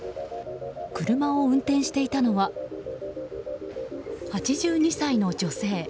車を運転していたのは８２歳の女性。